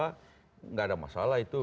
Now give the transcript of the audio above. tidak ada masalah itu